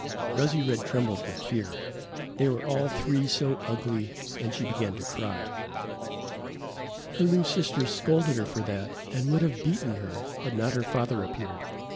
Rosy red trembled with fear. They were all three so ugly, and she began to cry. Her new sisters scolded her for that and would have beaten her had not her father appeared.